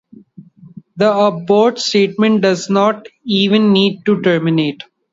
The abort statement does not even need to terminate.